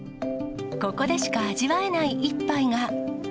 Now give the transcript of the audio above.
ここでしか味わえない一杯が。